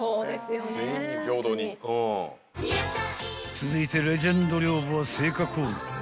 ［続いてレジェンド寮母は青果コーナーへ］